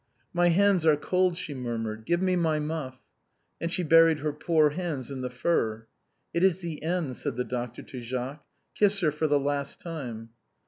" My hands are cold," she murmured ; "give me my muff." And she buried her poor hands in the fur. " It is the end," said the doctor to Jacques. " Kiss her for the last time."